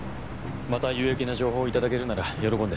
また有益な情報を頂けるなら喜んで。